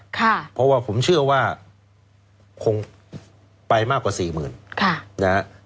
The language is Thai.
เพราะว่าผมเชื่อว่าคงไปมากกว่าสี่หมื่นนะฮะ